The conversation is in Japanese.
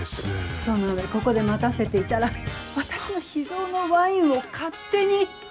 その上ここで待たせていたら私の秘蔵のワインを勝手に。